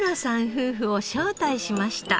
夫婦を招待しました。